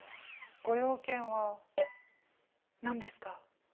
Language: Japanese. ご用件は何ですか？